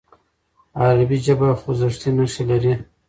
عربي ژبه خوځښتي نښې لري.